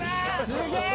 すげえ！